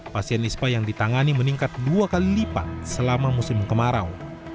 pasien ispa yang ditangani meningkat dua kali lipat selama musim kemarau